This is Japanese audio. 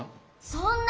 そんな！